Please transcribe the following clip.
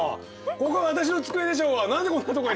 ここは私の机でしょうが！